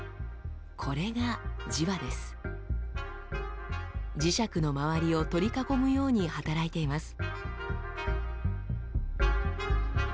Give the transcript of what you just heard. これが磁石の周りを取り囲むように働いています。